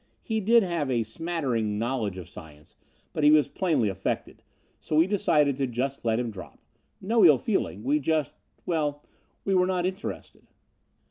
He did have a smattering knowledge of science, but he was plainly affected, so we decided to just let him drop. No ill feeling. We just well, we were not interested."